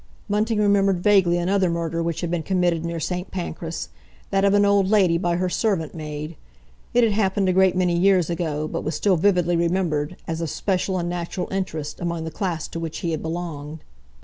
Bunting remembered vaguely another murder which had been committed near St. Pancras—that of an old lady by her servant maid. It had happened a great many years ago, but was still vividly remembered, as of special and natural interest, among the class to which he had belonged.